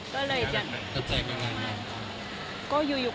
ก็เลยจนก็อยู่อยู่